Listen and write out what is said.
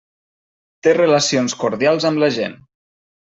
Té relacions cordials amb la gent.